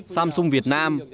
samsung việt nam